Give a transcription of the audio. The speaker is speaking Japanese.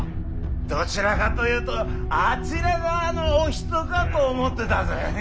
どちらかというとあちら側のお人かと思ってたぜ。